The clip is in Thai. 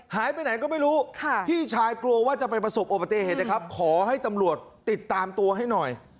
หายไปไหนก็ไม่รู้พี่ชายกลัวว่าจะไปประสบอุบัติเหตุนะครับขอให้ตำรวจติดตามตัวให้หน่อย